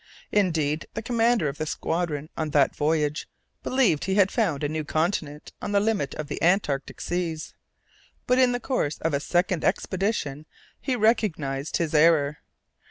Indeed, the commander of the squadron on that voyage believed that he had found a new continent on the limit of the Antarctic seas, but in the course of a second expedition he recognized his error.